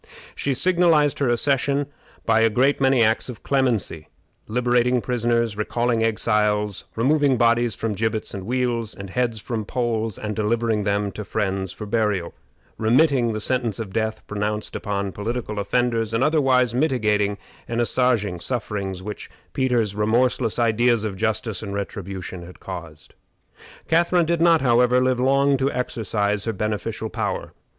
She signalized her accession by a great many acts of clemency liberating prisoners, recalling exiles, removing bodies from gibbets and wheels, and heads from poles, and delivering them to friends for burial, remitting the sentence of death pronounced upon political offenders, and otherwise mitigating and assuaging sufferings which Peter's remorseless ideas of justice and retribution had caused. Catharine did not, however, live long to exercise her beneficial power.